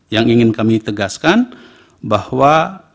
yang ingin kami tegaskan bahwa